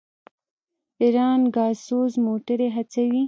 ایران ګازسوز موټرې هڅوي.